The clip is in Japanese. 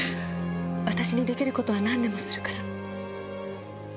私に出来る事は何でもするから。